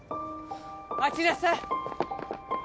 待ちなさい。